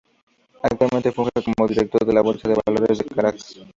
Actualmente funge como director de la Bolsa de Valores de Caracas.